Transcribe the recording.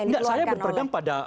nggak saya berpegang pada